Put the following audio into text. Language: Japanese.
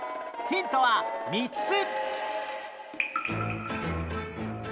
ヒントは３つ！